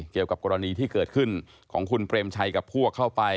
เกี่ยวกับกรณีที่เกิดขึ้นของคุณเปรมชัยกับพวกเข้าไป